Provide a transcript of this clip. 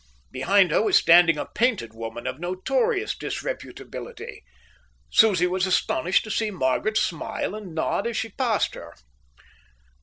Behind her was standing a painted woman of notorious disreputability. Susie was astonished to see Margaret smile and nod as she passed her.